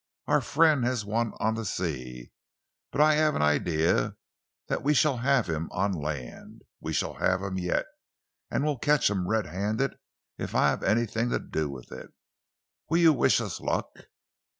Our friend has won on the sea, but I have an idea that we shall have him on land. We shall have him yet, and we'll catch him red handed if I have anything to do with it. Will you wish us luck?"